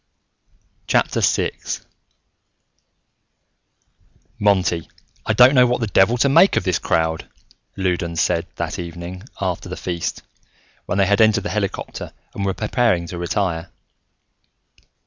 VI "Monty, I don't know what the devil to make of this crowd," Loudons said, that evening, after the feast, when they had entered the helicopter and were preparing to retire.